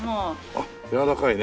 あっ柔らかいね。